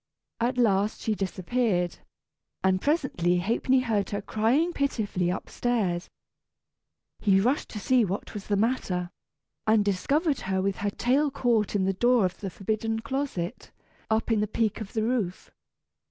At last she disappeared, and presently Ha'penny heard her crying pitifully upstairs. He rushed to see what was the matter, and discovered her with her tail caught in the door of the forbidden closet, up in the peak of the roof.